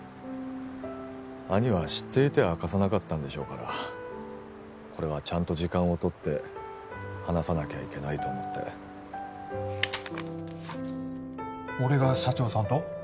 兄は知っていて明かさなかったんでしょうからこれはちゃんと時間をとって話さなきゃいけないと思って俺が社長さんと？